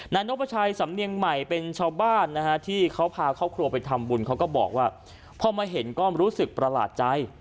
นกพระชัยสำเนียงใหม่เป็นชาวบ้านนะฮะที่เขาพาครอบครัวไปทำบุญเขาก็บอกว่าพอมาเห็นก็รู้สึกประหลาดใจ